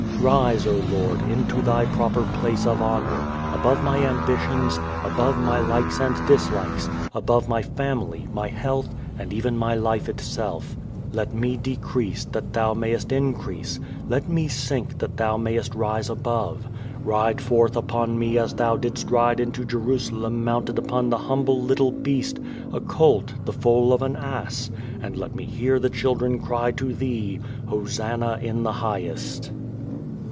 Rise, O Lord, into Thy proper place of honor, above my ambitions, above my likes and dislikes, above my family, my health and even my life itself. Let me decrease that Thou mayest increase, let me sink that Thou mayest rise above. Ride forth upon me as Thou didst ride into Jerusalem mounted upon the humble little beast, a colt, the foal of an ass, and let me hear the children cry to Thee, "Hosanna in the highest."